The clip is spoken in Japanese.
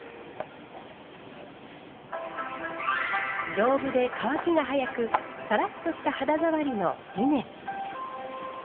丈夫で乾きが早くサラッとした肌触りのリネン。